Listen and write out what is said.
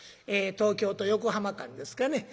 東京と横浜間ですかね